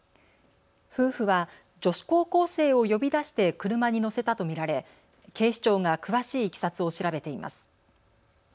夫婦は女子高校生を呼び出して車に乗せたと見られ警視庁が詳しいいきさつを調べています。